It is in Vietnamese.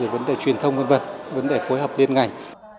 vấn đề truyền thông vấn đề phối hợp liên ngành